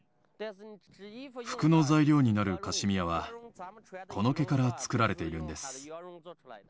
服の材料になるカシミヤは、この毛から作られているんです。